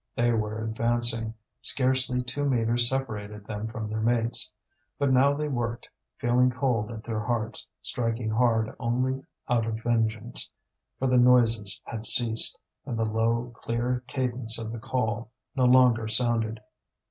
They were advancing; scarcely two metres separated them from their mates. But now they worked feeling cold at their hearts, striking hard only out of vengeance; for the noises had ceased, and the low, clear cadence of the call no longer sounded.